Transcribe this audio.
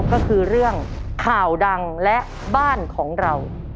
ก็คือเรื่องข่าวดังและบ้านของเรา